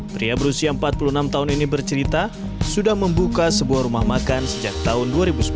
pria berusia empat puluh enam tahun ini bercerita sudah membuka sebuah rumah makan sejak tahun dua ribu sepuluh